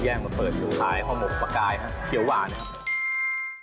มาเปิดอยู่ขายห่อหมกประกายครับเขียวหวานนะครับ